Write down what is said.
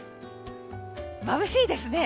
まぶしいですね。